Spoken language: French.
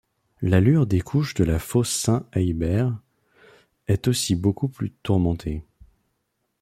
L'allure des couches de la fosse Saint Aybert est aussi beaucoup plus tourmentée.